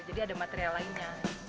jadi ada material lainnya